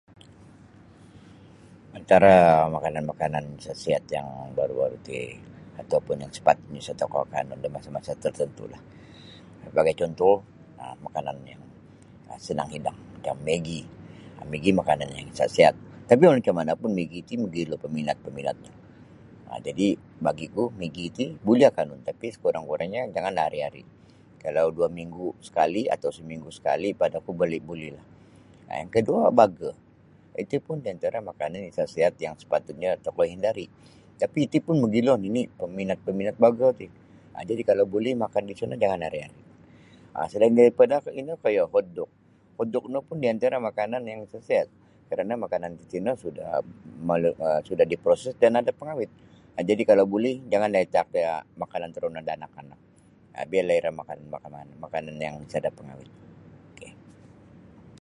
Antara makanan-makanan sa' sihat yang baru-baru' ti atau pun yang sapatutnyo isa' tokou akanun da masa-masa tartantu'lah sabagai cuntuh um makanannyo senang hidang yang maggie maggie makanan yang sa' sihat tapi walau macam mana pun maggie ti mogilo paminat -paminatnyo jadi' bagiku maggie ti buli akanun tapi' sakurang-kurangnyo janganlah ari-ari kalau dua minggu' sakali atau saminggu' sakali' padaku buli bulilah yang koduo burger iti pun di antara makanan yang sa' sihat yang sapatutnyo tokou hindari' tapi iti pun mogilo nini' paminat-paminat burger ti jadi' kalau buli makan disiyo no jangan ari'-ari' um salain daripada ino poyo hotdog hotdog no pun di antara makanan yang sa' sihat karana' makanan titino sudah mala sudah diproses dan ada pangawet jadi' kalau buli janganlah itaak makanan torono da anak-anak biarlah iro makan da makanan yang sada' pangawet ok.